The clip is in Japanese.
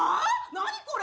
何これ！？